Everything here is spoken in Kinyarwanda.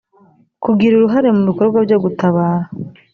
kugira uruhare mu bikorwa byo gutabara